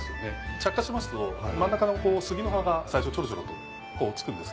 着火しますと真ん中の杉の葉が最初ちょろちょろとつくんですけど。